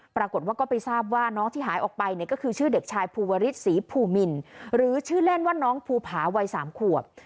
ปรากฏว่าก็ไปทราบว่าน้องที่หายออกไปเนี่ยก็คือชื่อเด็กชายภูวริสศรีภูมินหรือชื่อเล่นว่าน้องภูผาวัย๓ขวบ